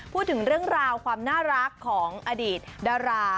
พูดถึงเรื่องราวความน่ารักของอดีตดารา